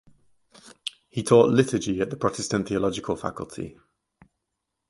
He taught liturgy at the Protestant theological faculty.